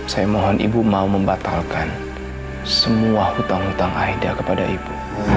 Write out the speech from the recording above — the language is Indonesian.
saya mohon ibu mau membatalkan semua hutang hutang aida kepada ibu